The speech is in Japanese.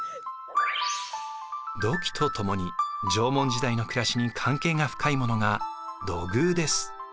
土器と共に縄文時代の暮らしに関係が深いものが土偶です。